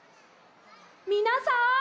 みなさん